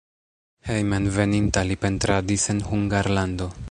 Hejmenveninta li pentradis en Hungarlando.